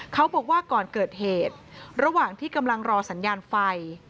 เขาบอกว่าก่อนเกิดเหตุระหว่างที่กำลังรอสัญญาณไฟ